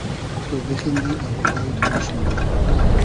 تو بیخیندی اۆدیدای تو اوش مونوم